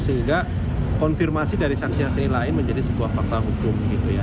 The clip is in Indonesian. sehingga konfirmasi dari saksi saksi lain menjadi sebuah fakta hukum